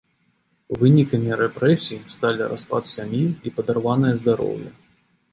Вынікамі рэпрэсій сталі распад сям'і і падарванае здароўе.